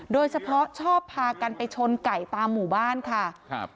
โดยเฉพาะชอบพากันไปชนไก่ตามหมู่บ้านค่ะครับ